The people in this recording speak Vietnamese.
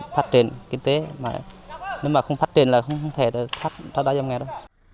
phát triển kinh tế nếu mà không phát triển là không thể thao đá giam nghe đâu